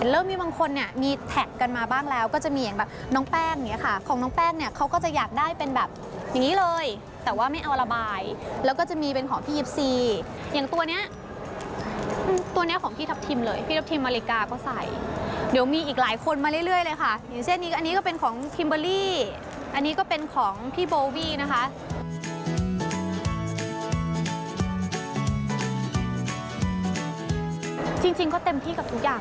เริ่มมีบางคนเนี่ยมีแท็กกันมาบ้างแล้วก็จะมีอย่างแบบน้องแป้งอย่างนี้ค่ะของน้องแป้งเนี่ยเขาก็จะอยากได้เป็นแบบอย่างนี้เลยแต่ว่าไม่เอาระบายแล้วก็จะมีเป็นของพี่๒๔อย่างตัวเนี้ยตัวเนี้ยของพี่ทัพทิมเลยพี่ทัพทิมมาริกาก็ใส่เดี๋ยวมีอีกหลายคนมาเรื่อยเลยค่ะอย่างเส้นนี้อันนี้ก็เป็นของคิมเบอร์รี่อันนี้ก็เป็นของพี่โบวี่นะคะ